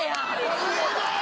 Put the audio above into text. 上だよ！